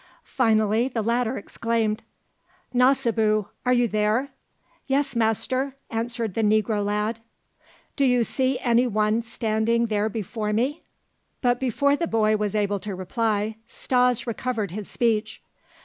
Finally the latter exclaimed: "Nasibu! Are you there?" "Yes, master," answered the negro lad. "Do you see any one any one standing there before me?" But before the boy was able to reply Stas recovered his speech.